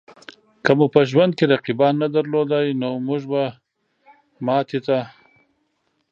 که مو په ژوند کې رقیبان نه درلودای؛ نو مونږ به ماتې ته